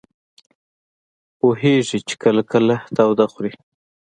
پوهېږي چې کله کله تاوده خوري.